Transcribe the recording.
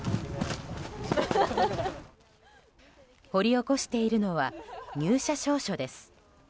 掘り起こしているのは入社証書です。